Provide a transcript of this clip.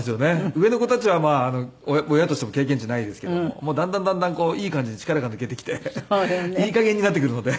上の子たちは親としても経験値ないですけれどもだんだんだんだんこういい感じに力が抜けてきていい加減になってくるので。